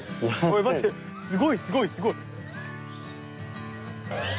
待ってすごいすごいすごい。